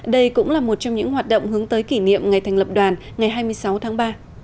đây cũng là một trong những hoạt động hướng tới kỷ niệm ngày thành lập đoàn ngày hai mươi sáu tháng ba